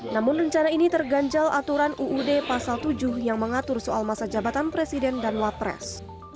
namun rencana ini terganjal aturan uud pasal tujuh yang mengatur soal masa jabatan presiden dan wapres